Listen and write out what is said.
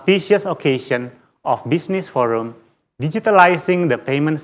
pada acara ini di forum bisnis digitalisasi sistem uang